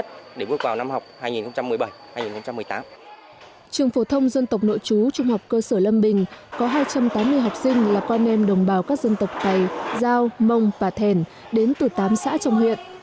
trường phổ thông dân tộc nội chú trung học cơ sở lâm bình có hai trăm tám mươi học sinh là con em đồng bào các dân tộc tày giao mông bà thèn đến từ tám xã trong huyện